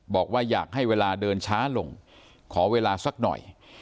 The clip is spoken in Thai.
บอกว่าอยากให้เวลาเดินช้าลงขอเวลาสักหน่อย